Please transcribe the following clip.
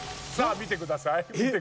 見てください。